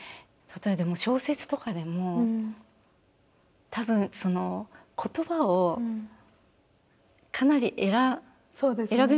例えば小説とかでもたぶんその言葉をかなりそうですね。